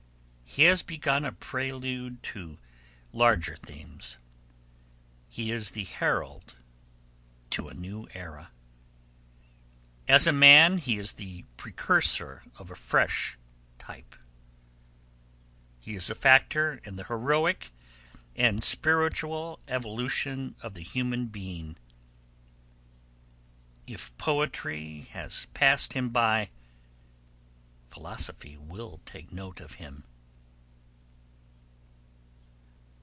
He has begun a prelude to larger themes. He is the herald to a new era. As a man he is the precursor of a fresh type. He is a factor in the heroic and spiritual evolution of the human being. If Poetry has passed him by, Philosophy will take note of him.